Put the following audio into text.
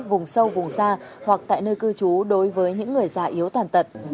vùng sâu vùng xa hoặc tại nơi cư trú đối với những người già yếu tàn tật